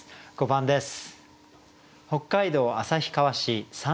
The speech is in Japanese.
５番です。